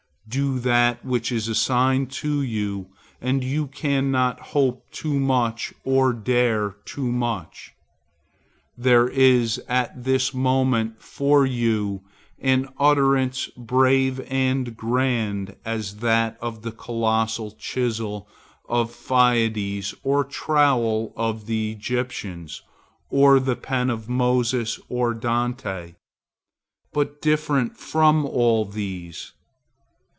Do that which is assigned you, and you cannot hope too much or dare too much. There is at this moment for you an utterance brave and grand as that of the colossal chisel of Phidias, or trowel of the Egyptians, or the pen of Moses or Dante, but different from all these.